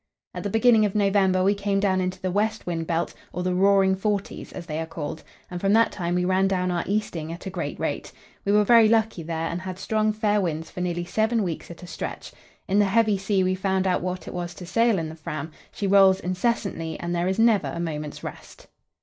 At the beginning of November we came down into the west wind belt, or the "Roaring Forties," as they are called, and from that time we ran down our easting at a great rate. We were very lucky there, and had strong fair winds for nearly seven weeks at a stretch. In the heavy sea we found out what it was to sail in the Fram; she rolls incessantly, and there is never a moment's rest.